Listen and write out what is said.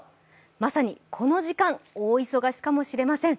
まさに、この時間大忙しかもしれません。